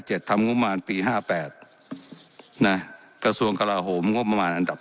เจ็ดทำงบุมารปีห้าแปดนะกระทรวงกระหลาโหมงบประมาณอันดับ